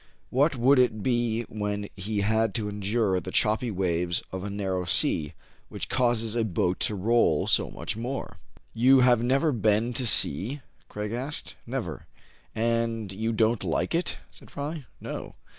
What would it be when he had to endure the choppy waves of a narrow sea, which causes a boat to roll so much more ? l84 TRIBULATIONS OF A CHINAMAN, "You have never been to sea?" Craig asked him. " Never/' " And you don't like it ?" said Fry. " No."